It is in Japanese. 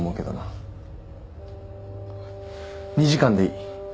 ２時間でいい。